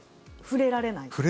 触れられないです。